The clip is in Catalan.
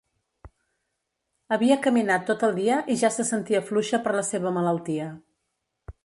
Havia caminat tot el dia i ja se sentia fluixa per la seva malaltia.